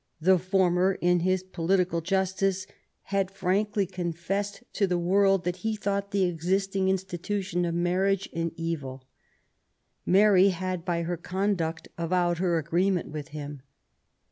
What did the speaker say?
The former, in his Political Justice, had frankly confessed to the world that he thought the existing institution of mar riage an evil. Mary had by her conduct avowed her agreement with him.